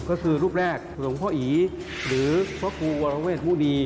ก็คือรูปแรกหลวงพ่ออีหรือพระครูวรเวทมุดี